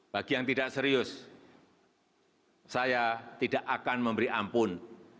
bagi yang tidak serius saya tidak akan memberi ampun